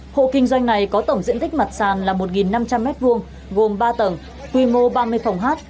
hộ kinh doanh này có tổng diện tích mặt sàn là một năm trăm linh m hai gồm ba tầng quy mô ba mươi phòng hát